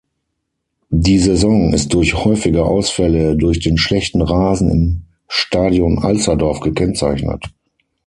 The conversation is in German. Die Saison ist durch häufige Ausfälle durch den schlechten Rasen im Stadion Alsterdorf gekennzeichnet.